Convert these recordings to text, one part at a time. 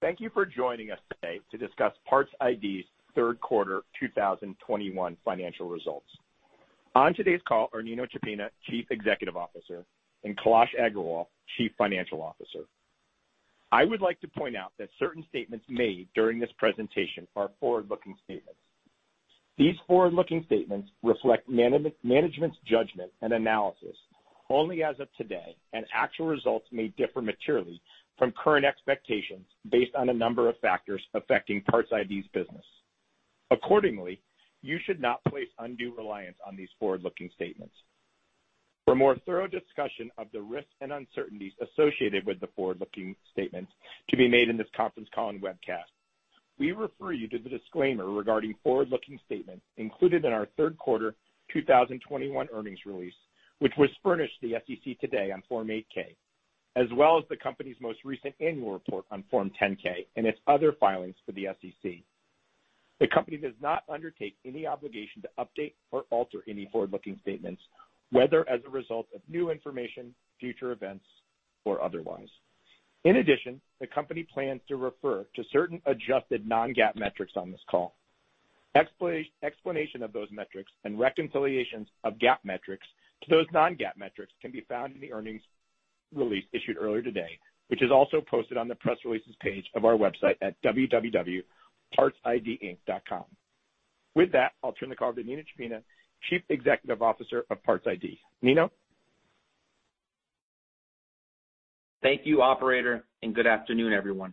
Thank you for joining us today to discuss PARTS iD's third quarter 2021 financial results. On today's call are Nino Ciappina, Chief Executive Officer, and Kailas Agrawal, Chief Financial Officer. I would like to point out that certain statements made during this presentation are forward-looking statements. These forward-looking statements reflect management's judgment and analysis only as of today, and actual results may differ materially from current expectations based on a number of factors affecting PARTS iD's business. Accordingly, you should not place undue reliance on these forward-looking statements. For more thorough discussion of the risks and uncertainties associated with the forward-looking statements to be made in this conference call and webcast, we refer you to the disclaimer regarding forward-looking statements included in our third quarter 2021 earnings release, which was furnished to the SEC today on Form 8-K, as well as the company's most recent annual report on Form 10-K and its other filings with the SEC. The company does not undertake any obligation to update or alter any forward-looking statements, whether as a result of new information, future events, or otherwise. In addition, the company plans to refer to certain adjusted non-GAAP metrics on this call. Explanation of those metrics and reconciliations of GAAP metrics to those non-GAAP metrics can be found in the earnings release issued earlier today, which is also posted on the press releases page of our website at www.partsidinc.com. With that, I'll turn the call to Nino Ciappina, Chief Executive Officer of PARTS iD. Nino. Thank you, operator, and good afternoon, everyone.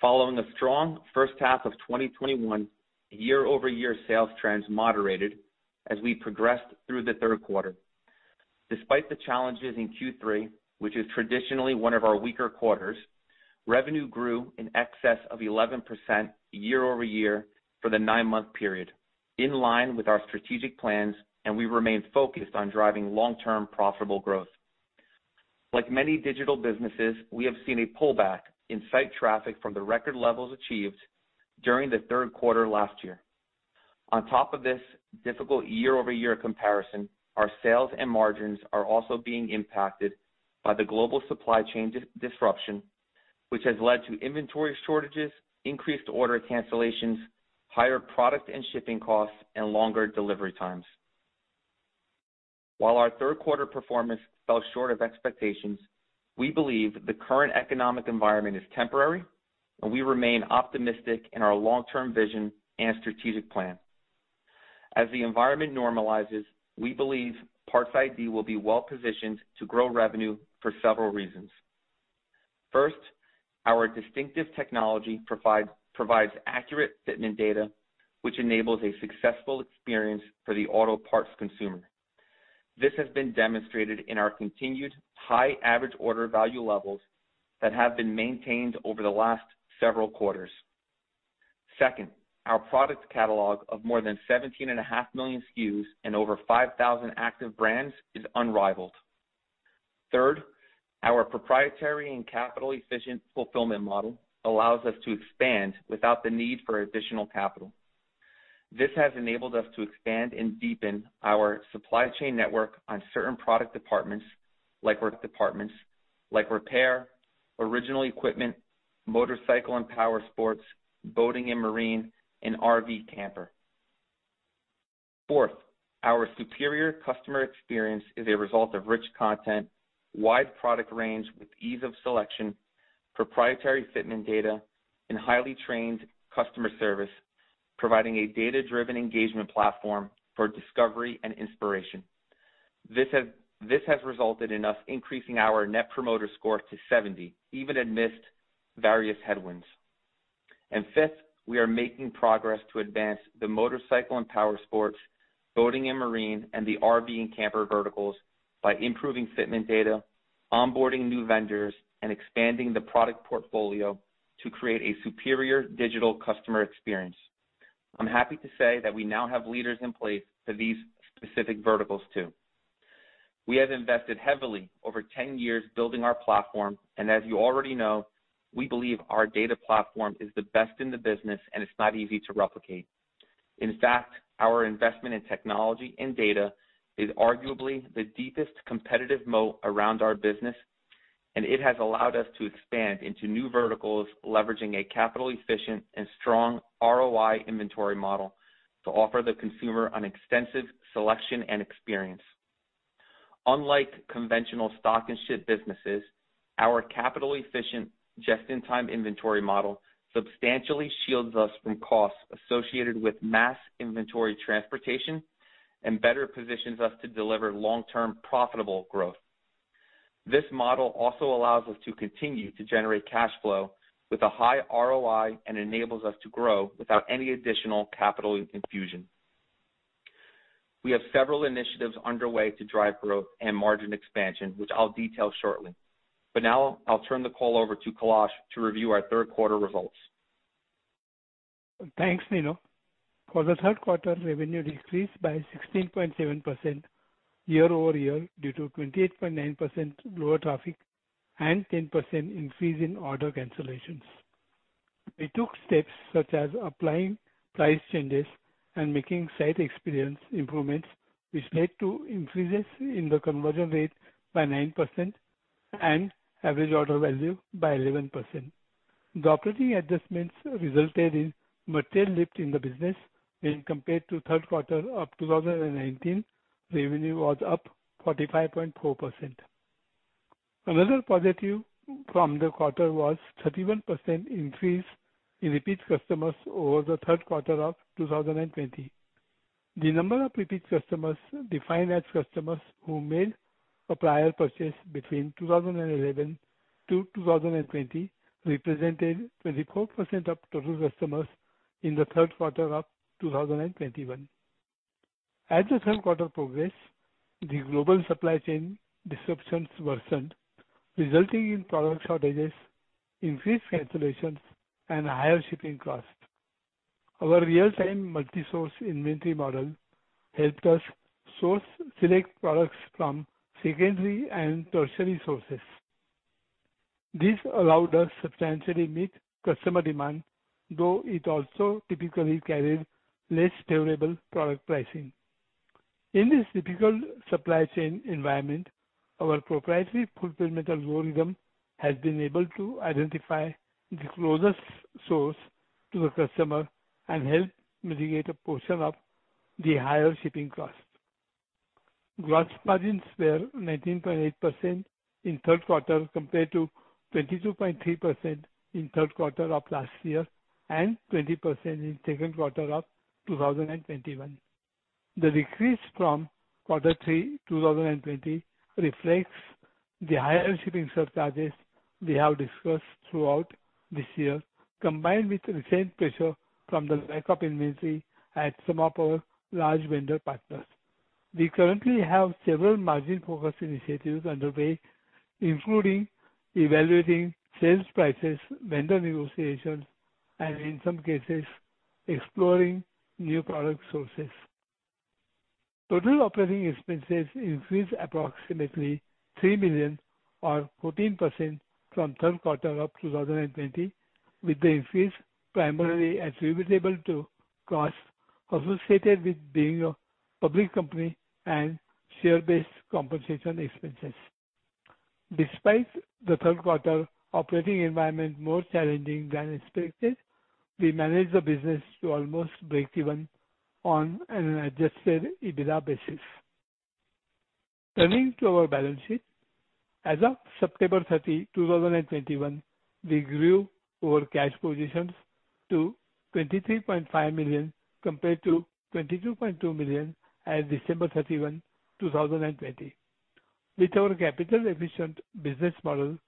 Following a strong first half of 2021, year-over-year sales trends moderated as we progressed through the third quarter. Despite the challenges in Q3, which is traditionally one of our weaker quarters, revenue grew in excess of 11% year-over-year for the 9-month period, in line with our strategic plans, and we remain focused on driving long-term profitable growth. Like many digital businesses, we have seen a pullback in site traffic from the record levels achieved during the third quarter last year. On top of this difficult year-over-year comparison, our sales and margins are also being impacted by the global supply chain disruption, which has led to inventory shortages, increased order cancellations, higher product and shipping costs, and longer delivery times. While our third quarter performance fell short of expectations, we believe the current economic environment is temporary, and we remain optimistic in our long-term vision and strategic plan. As the environment normalizes, we believe PARTS iD will be well-positioned to grow revenue for several reasons. First, our distinctive technology provides accurate fitment data, which enables a successful experience for the auto parts consumer. This has been demonstrated in our continued high average order value levels that have been maintained over the last several quarters. Second, our product catalog of more than 17.5 million SKUs and over 5,000 active brands is unrivaled. Third, our proprietary and capital-efficient fulfillment model allows us to expand without the need for additional capital. This has enabled us to expand and deepen our supply chain network on certain product departments like work departments, like repair, original equipment, motorcycle and powersports, boating and marine, and RV camper. Fourth, our superior customer experience is a result of rich content, wide product range with ease of selection, proprietary fitment data, and highly trained customer service, providing a data-driven engagement platform for discovery and inspiration. This has resulted in us increasing our Net Promoter Score to 70, even amidst various headwinds. Fifth, we are making progress to advance the motorcycle and powersports, boating and marine, and the RV and camper verticals by improving fitment data, onboarding new vendors, and expanding the product portfolio to create a superior digital customer experience. I'm happy to say that we now have leaders in place for these specific verticals too. We have invested heavily over 10 years building our platform, and as you already know, we believe our data platform is the best in the business, and it's not easy to replicate. In fact, our investment in technology and data is arguably the deepest competitive moat around our business, and it has allowed us to expand into new verticals, leveraging a capital-efficient and strong ROI inventory model to offer the consumer an extensive selection and experience. Unlike conventional stock-and-ship businesses, our capital-efficient, just-in-time inventory model substantially shields us from costs associated with mass inventory transportation and better positions us to deliver long-term profitable growth. This model also allows us to continue to generate cash flow with a high ROI and enables us to grow without any additional capital infusion. We have several initiatives underway to drive growth and margin expansion, which I'll detail shortly. Now I'll turn the call over to Kailas to review our third quarter results. Thanks, Nino. For the third quarter, revenue decreased by 16.7% year-over-year due to 28.9% lower traffic and 10% increase in order cancellations. We took steps such as applying price changes and making site experience improvements, which led to increases in the conversion rate by 9% and average order value by 11%. The operating adjustments resulted in material lift in the business when compared to third quarter of 2019, revenue was up 45.4%. Another positive from the quarter was 31% increase in repeat customers over the third quarter of 2020. The number of repeat customers defined as customers who made a prior purchase between 2011 to 2020 represented 24% of total customers in the third quarter of 2021. As the third quarter progressed, the global supply chain disruptions worsened, resulting in product shortages, increased cancellations, and higher shipping costs. Our real-time multi-source inventory model helped us source select products from secondary and tertiary sources. This allowed us to substantially meet customer demand, though it also typically carried less favorable product pricing. In this difficult supply chain environment, our proprietary fulfillment algorithm has been able to identify the closest source to the customer and help mitigate a portion of the higher shipping costs. Gross margins were 19.8% in third quarter, compared to 22.3% in third quarter of last year, and 20% in second quarter of 2021. The decrease from the third quarter of 2020 reflects the higher shipping surcharges we have discussed throughout this year, combined with recent pressure from the lack of inventory at some of our large vendor partners. We currently have several margin focus initiatives underway, including evaluating sales prices, vendor negotiations, and in some cases, exploring new product sources. Total operating expenses increased approximately $3 million or 14% from third quarter of 2020, with the increase primarily attributable to costs associated with being a public company and share-based compensation expenses. Despite the third quarter operating environment more challenging than expected, we managed the business to almost break even on an Adjusted EBITDA basis. Turning to our balance sheet. As of September 30, 2021, we grew our cash positions to $23.5 million, compared to $22.2 million as of December 31, 2020. With our capital efficient business model,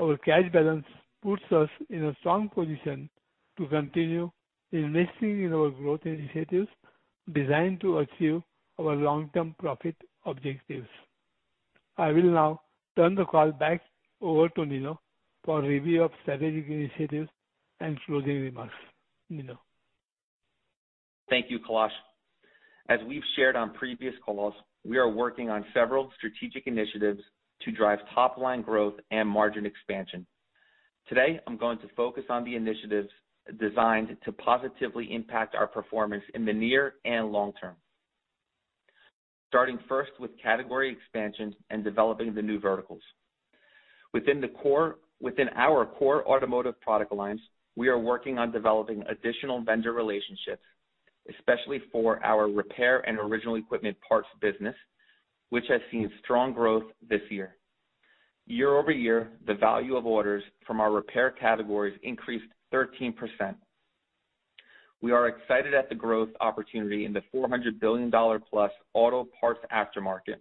our cash balance puts us in a strong position to continue investing in our growth initiatives designed to achieve our long-term profit objectives. I will now turn the call back over to Nino for review of strategic initiatives and closing remarks. Nino. Thank you, Kailas. As we've shared on previous calls, we are working on several strategic initiatives to drive top-line growth and margin expansion. Today, I'm going to focus on the initiatives designed to positively impact our performance in the near and long term, starting first with category expansion and developing the new verticals. Within our core automotive product lines, we are working on developing additional vendor relationships, especially for our repair and original equipment parts business, which has seen strong growth this year. Year-over-year, the value of orders from our repair categories increased 13%. We are excited at the growth opportunity in the $400 billion+ auto parts aftermarket,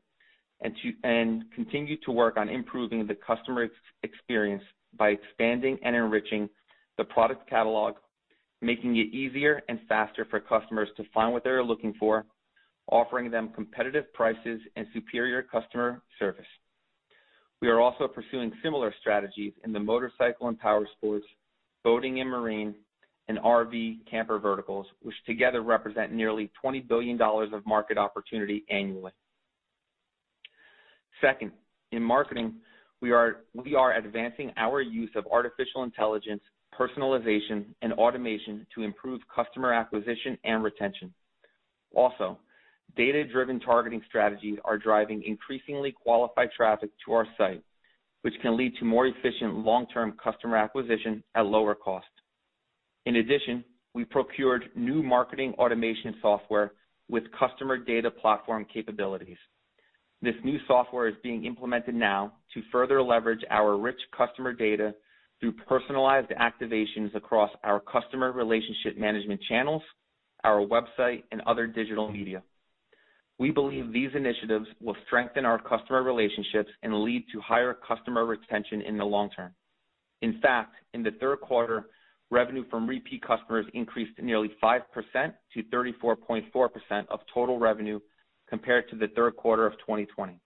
and continue to work on improving the customer experience by expanding and enriching the product catalog, making it easier and faster for customers to find what they are looking for, offering them competitive prices and superior customer service. We are also pursuing similar strategies in the motorcycle and power sports, boating and marine, and RV camper verticals, which together represent nearly $20 billion of market opportunity annually. Second, in marketing, we are advancing our use of artificial intelligence, personalization, and automation to improve customer acquisition and retention. Also, data-driven targeting strategies are driving increasingly qualified traffic to our site, which can lead to more efficient long-term customer acquisition at lower cost. In addition, we procured new marketing automation software with customer data platform capabilities. This new software is being implemented now to further leverage our rich customer data through personalized activations across our customer relationship management channels, our website, and other digital media. We believe these initiatives will strengthen our customer relationships and lead to higher customer retention in the long term. In fact, in the third quarter, revenue from repeat customers increased nearly 5% to 34.4% of total revenue compared to the third quarter of 2020.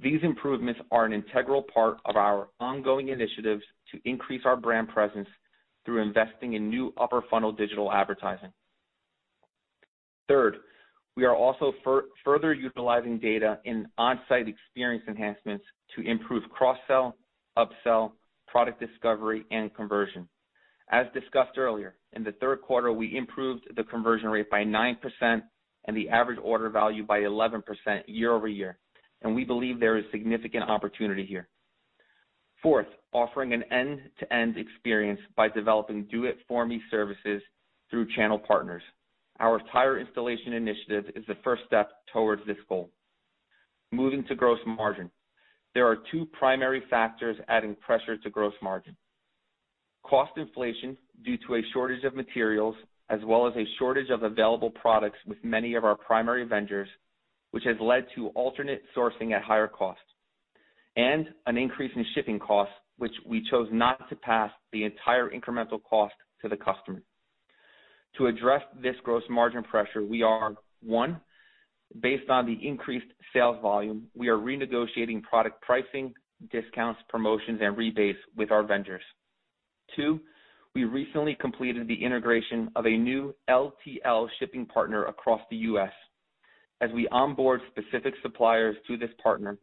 These improvements are an integral part of our ongoing initiatives to increase our brand presence through investing in new upper funnel digital advertising. Third, we are also further utilizing data in on-site experience enhancements to improve cross sell, upsell, product discovery and conversion. As discussed earlier, in the third quarter, we improved the conversion rate by 9% and the average order value by 11% year-over-year, and we believe there is significant opportunity here. Fourth, offering an end to end experience by developing do it for me services through channel partners. Our tire installation initiative is the first step towards this goal. Moving to gross margin. There are two primary factors adding pressure to gross margin. Cost inflation due to a shortage of materials as well as a shortage of available products with many of our primary vendors, which has led to alternate sourcing at higher cost, and an increase in shipping costs, which we chose not to pass the entire incremental cost to the customer. To address this gross margin pressure, we are; 1, based on the increased sales volume, we are renegotiating product pricing, discounts, promotions and rebates with our vendors. 2, we recently completed the integration of a new LTL shipping partner across the U.S. As we onboard specific suppliers to this partner,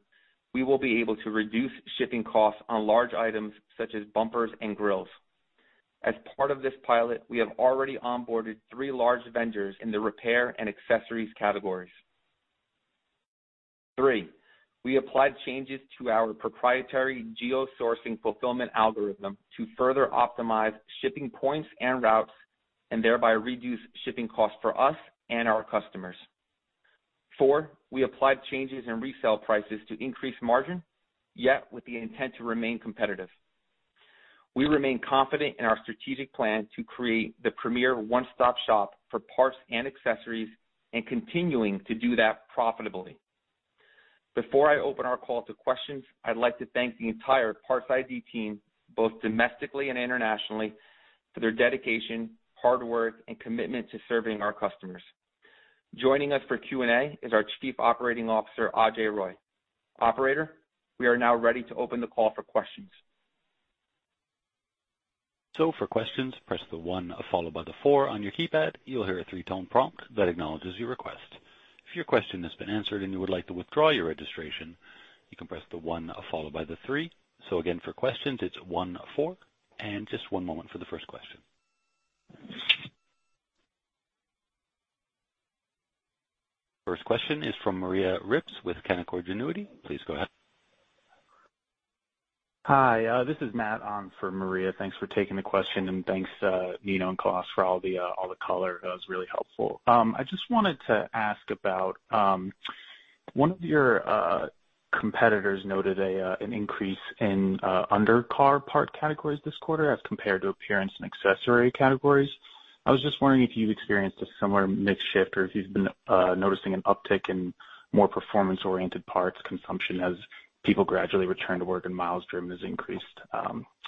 we will be able to reduce shipping costs on large items such as bumpers and grills. As part of this pilot, we have already onboarded 3 large vendors in the repair and accessories categories. 3, we applied changes to our proprietary geo sourcing fulfillment algorithm to further optimize shipping points and routes and thereby reduce shipping costs for us and our customers. 4, we applied changes in resale prices to increase margin, yet with the intent to remain competitive. We remain confident in our strategic plan to create the premier one stop shop for parts and accessories and continuing to do that profitably. Before I open our call to questions, I'd like to thank the entire PARTS iD team, both domestically and internationally, for their dedication, hard work and commitment to serving our customers. Joining us for Q&A is our Chief Operating Officer, Ajay Roy. Operator, we are now ready to open the call for questions. For questions, press the 1 followed by the 4 on your keypad. You'll hear a three-tone prompt that acknowledges your request. If your question has been answered and you would like to withdraw your registration, you can press the 1 followed by the 3. Again for questions it's 1, 4. Just one moment for the first question. First question is from Maria Ripps with Canaccord Genuity. Please go ahead. Hi, this is Matt on for Maria. Thanks for taking the question and thanks, Nino and Kailas for all the color. That was really helpful. I just wanted to ask about one of your competitors noted an increase in undercar part categories this quarter as compared to appearance and accessory categories. I was just wondering if you've experienced a similar mix shift or if you've been noticing an uptick in more performance-oriented parts consumption as people gradually return to work and miles driven has increased.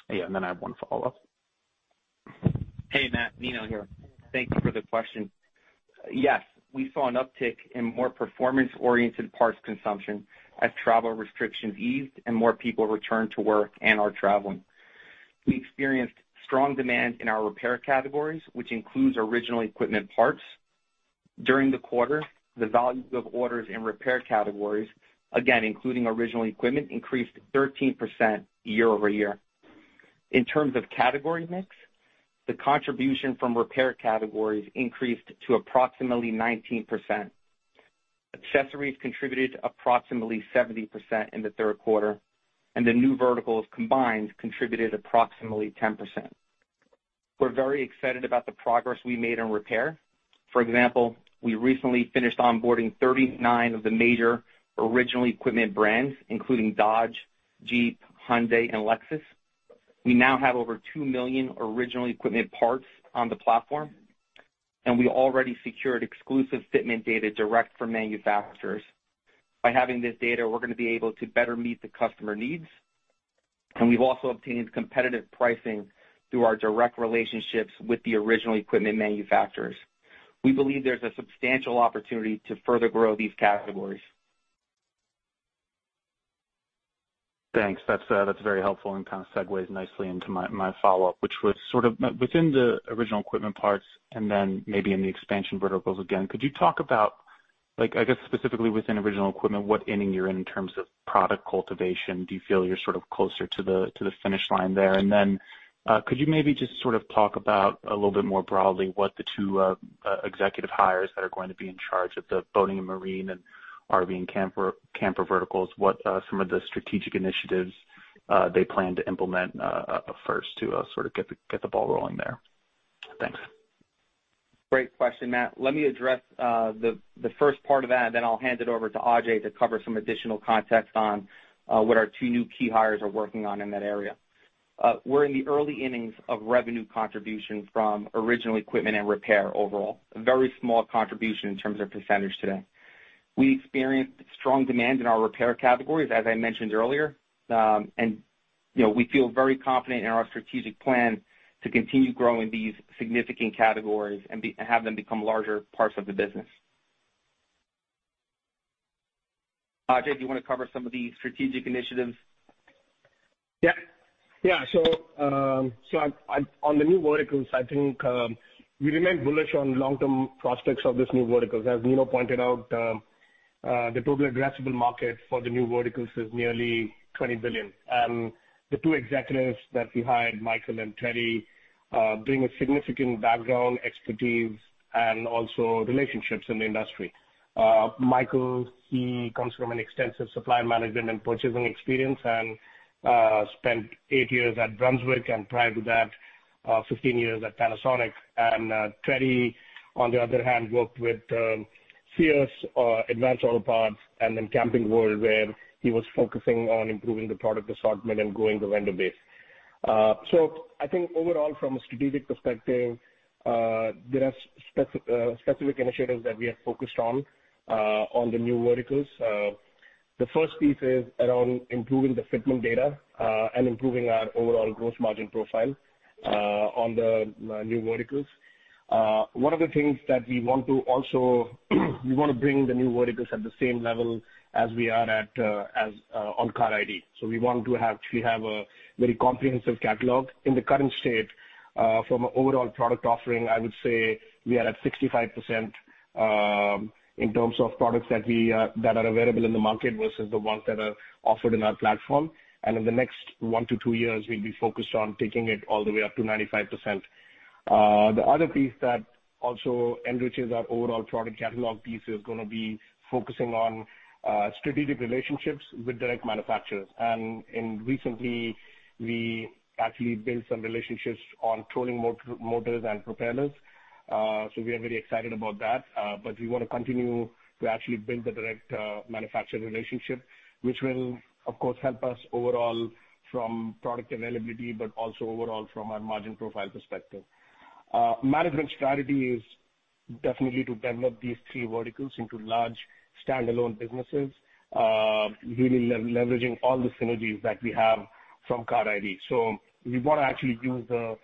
Yeah. I have one follow up. Hey, Matt. Nino here. Thank you for the question. Yes, we saw an uptick in more performance-oriented parts consumption as travel restrictions eased and more people returned to work and are traveling. We experienced strong demand in our repair categories, which includes original equipment parts. During the quarter, the volume of orders in repair categories, again including original equipment, increased 13% year-over-year. In terms of category mix, the contribution from repair categories increased to approximately 19%. Accessories contributed approximately 70% in the third quarter, and the new verticals combined contributed approximately 10%. We're very excited about the progress we made in repair. For example, we recently finished onboarding 39 of the major original equipment brands, including Dodge, Jeep, Hyundai and Lexus. We now have over 2 million original equipment parts on the platform, and we already secured exclusive fitment data direct from manufacturers. By having this data, we're gonna be able to better meet the customer needs. We've also obtained competitive pricing through our direct relationships with the original equipment manufacturers. We believe there's a substantial opportunity to further grow these categories. Thanks. That's very helpful and kind of segues nicely into my follow up, which was sort of within the original equipment parts and then maybe in the expansion verticals again. Could you talk about like, I guess specifically within original equipment, what inning you're in in terms of product cultivation? Do you feel you're sort of closer to the finish line there? And then, could you maybe just sort of talk about a little bit more broadly what the two executive hires that are going to be in charge of the boating and marine and RV and camper verticals, what some of the strategic initiatives they plan to implement up first to sort of get the ball rolling there? Thanks. Great question, Matt. Let me address the first part of that and then I'll hand it over to Ajay to cover some additional context on what our two new key hires are working on in that area. We're in the early innings of revenue contribution from original equipment and repair overall, a very small contribution in terms of percentage today. We experienced strong demand in our repair categories, as I mentioned earlier. You know, we feel very confident in our strategic plan to continue growing these significant categories and have them become larger parts of the business. Ajay, do you want to cover some of the strategic initiatives? Yeah. On the new verticals, I think we remain bullish on long-term prospects of these new verticals. As Nino pointed out, the total addressable market for the new verticals is nearly $20 billion. The two executives that we hired, Michael and Terry, bring a significant background, expertise, and also relationships in the industry. Michael, he comes from an extensive supply management and purchasing experience and spent 8 years at Brunswick and prior to that, 15 years at Panasonic. Terry, on the other hand, worked with Sears, Advance Auto Parts and then Camping World, where he was focusing on improving the product assortment and growing the vendor base. I think overall from a strategic perspective, there are specific initiatives that we are focused on the new verticals. The first piece is around improving the fitment data, and improving our overall gross margin profile, on the new verticals. One of the things that we want to also, we wanna bring the new verticals at the same level as we are at, as, on CARiD. We have a very comprehensive catalog. In the current state, from an overall product offering, I would say we are at 65%, in terms of products that are available in the market versus the ones that are offered in our platform. In the next 1-2 years, we'll be focused on taking it all the way up to 95%. The other piece that also enriches our overall product catalog piece is gonna be focusing on strategic relationships with direct manufacturers. Recently, we actually built some relationships on trolling motors and propellers. We are very excited about that. We wanna continue to actually build the direct manufacturer relationship, which will, of course, help us overall from product availability, but also overall from a margin profile perspective. Management strategy is definitely to develop these three verticals into large standalone businesses, really leveraging all the synergies that we have from CARiD. We wanna actually use the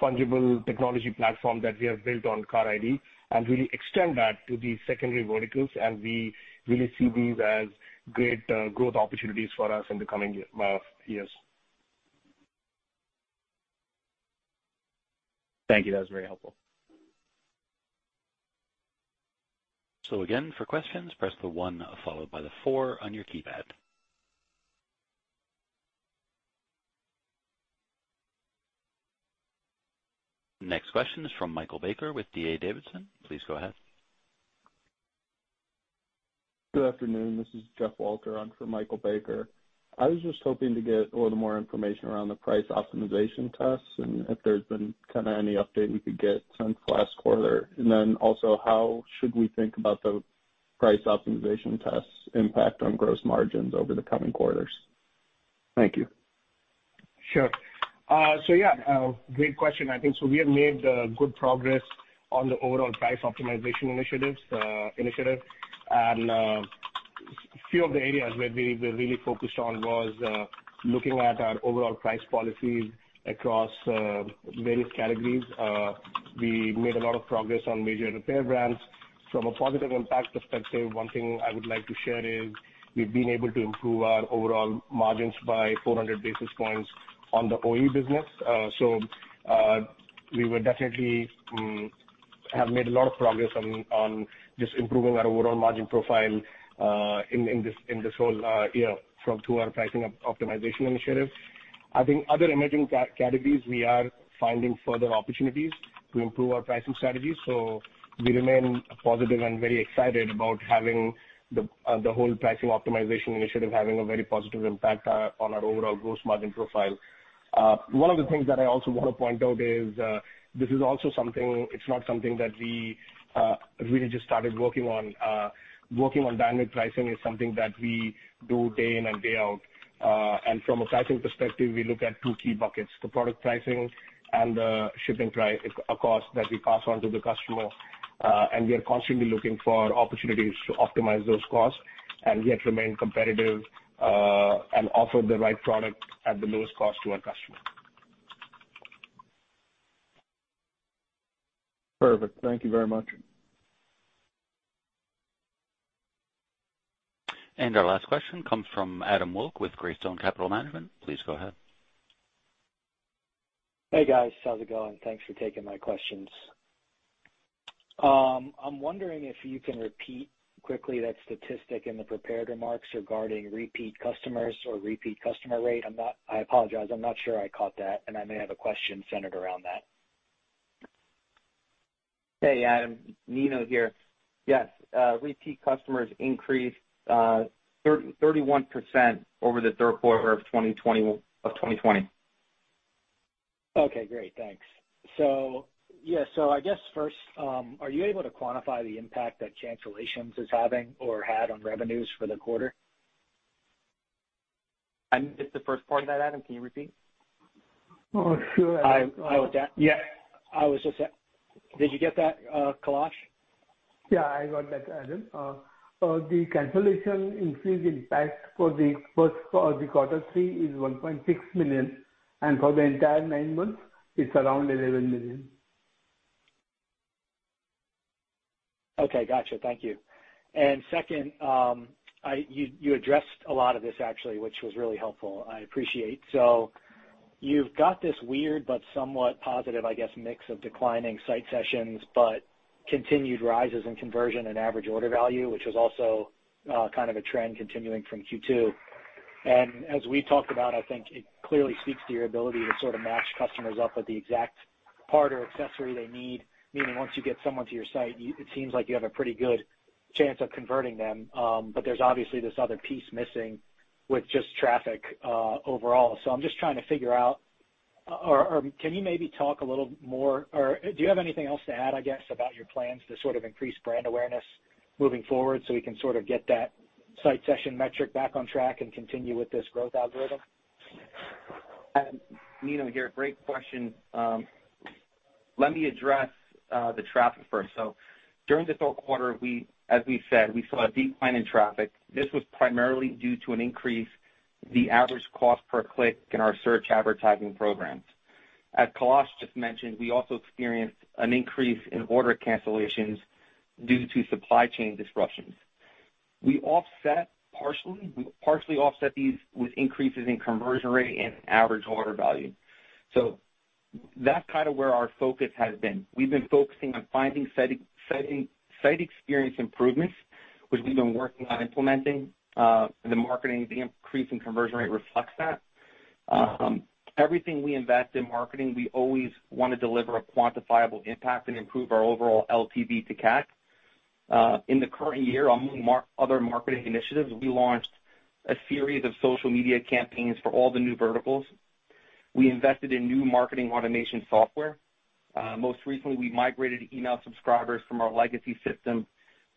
fungible technology platform that we have built on CARiD and really extend that to these secondary verticals, and we really see these as great growth opportunities for us in the coming years. Thank you. That was very helpful. Again, for questions, press the 1 followed by the 4 on your keypad. Next question is from Michael Baker with D.A. Davidson. Please go ahead. Good afternoon. This is Jeff Walter in for Michael Baker. I was just hoping to get a little more information around the price optimization tests and if there's been kinda any update we could get since last quarter. How should we think about the price optimization tests impact on gross margins over the coming quarters? Thank you. Sure. So yeah, great question. I think so we have made good progress on the overall price optimization initiative. Few of the areas where we really focused on was looking at our overall price policies across various categories. We made a lot of progress on major repair brands. From a positive impact perspective, one thing I would like to share is we've been able to improve our overall margins by 400 basis points on the OE business. We were definitely have made a lot of progress on just improving our overall margin profile in this whole year to our pricing optimization initiative. I think other emerging categories, we are finding further opportunities to improve our pricing strategies, so we remain positive and very excited about having the whole pricing optimization initiative having a very positive impact on our overall gross margin profile. One of the things that I also wanna point out is, this is also something—it's not something that we really just started working on. Working on dynamic pricing is something that we do day in and day out. From a pricing perspective, we look at two key buckets, the product pricing and the shipping cost that we pass on to the customer. We are constantly looking for opportunities to optimize those costs and yet remain competitive, and offer the right product at the lowest cost to our customer. Perfect. Thank you very much. Our last question comes from Adam Wilk with Greystone Capital Management. Please go ahead. Hey, guys. How's it going? Thanks for taking my questions. I'm wondering if you can repeat quickly that statistic in the prepared remarks regarding repeat customers or repeat customer rate. I apologize. I'm not sure I caught that, and I may have a question centered around that. Hey, Adam. Nino here. Yes, repeat customers increased 31% over the third quarter of 2020. Okay, great. Thanks. Yeah, so I guess first, are you able to quantify the impact that cancellations is having or had on revenues for the quarter? I missed the first part of that, Adam. Can you repeat? Oh, sure. I was at- Yeah. Did you get that, Kailas? Yeah, I got that, Adam. The cancellation increased impact for the quarter three is $1.6 million, and for the entire nine months, it's around $11 million. Okay. Gotcha. Thank you. Second, you addressed a lot of this actually, which was really helpful. I appreciate. You've got this weird but somewhat positive, I guess, mix of declining site sessions, but continued rises in conversion and average order value, which was also kind of a trend continuing from Q2. As we talked about, I think it clearly speaks to your ability to sort of match customers up with the exact part or accessory they need. Meaning once you get someone to your site, it seems like you have a pretty good chance of converting them. There's obviously this other piece missing with just traffic overall. I'm just trying to figure out or can you maybe talk a little more or do you have anything else to add, I guess, about your plans to sort of increase brand awareness moving forward so we can sort of get that site session metric back on track and continue with this growth algorithm? Nino here. Great question. Let me address the traffic first. During this whole quarter, as we said, we saw a decline in traffic. This was primarily due to an increase in the average cost per click in our search advertising programs. As Kailas just mentioned, we also experienced an increase in order cancellations due to supply chain disruptions. We partially offset these with increases in conversion rate and average order value. That's kind of where our focus has been. We've been focusing on finding site experience improvements, which we've been working on implementing, and the marketing, the increase in conversion rate reflects that. Everything we invest in marketing, we always wanna deliver a quantifiable impact and improve our overall LTV to CAC. In the current year, among other marketing initiatives, we launched a series of social media campaigns for all the new verticals. We invested in new marketing automation software. Most recently, we migrated email subscribers from our legacy system.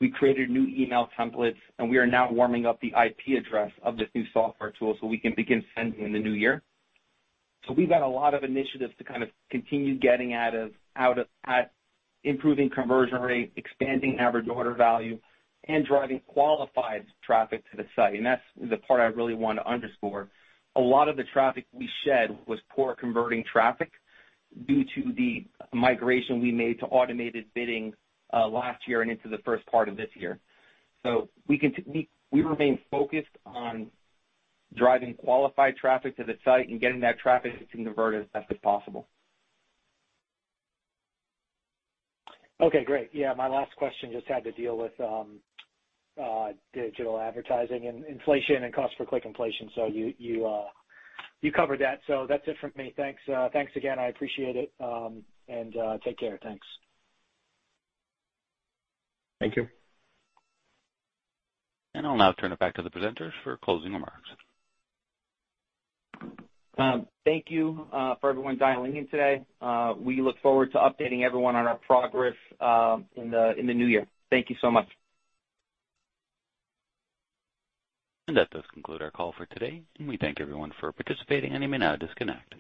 We created new email templates, and we are now warming up the IP address of this new software tool so we can begin sending in the new year. We've got a lot of initiatives to kind of continue at improving conversion rate, expanding average order value, and driving qualified traffic to the site. That's the part I really wanna underscore. A lot of the traffic we shed was poor converting traffic due to the migration we made to automated bidding last year and into the first part of this year. We remain focused on driving qualified traffic to the site and getting that traffic to convert as best as possible. Okay, great. Yeah. My last question just had to deal with digital advertising and inflation and cost per click inflation. So you covered that. So that's it for me. Thanks, thanks again. I appreciate it, and take care. Thanks. Thank you. I'll now turn it back to the presenters for closing remarks. Thank you for everyone dialing in today. We look forward to updating everyone on our progress in the new year. Thank you so much. That does conclude our call for today, and we thank everyone for participating, and you may now disconnect.